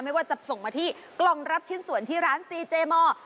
ไม่ว่าจะส่งมาที่กล่องรับชิ้นส่วนที่ร้านซีเจมอร์